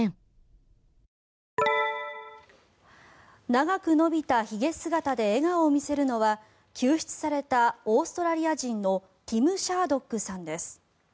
長く伸びたひげ姿で笑顔を見せるのは救出されたオーストラリア人のティム・シャードックさんです。